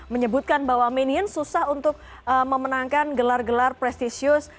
menyebutkan bahwa minion susah untuk memenangkan gelar gelar prestisius